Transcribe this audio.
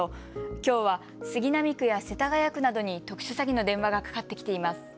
きょうは杉並区や世田谷区などに特殊詐欺の電話がかかってきています。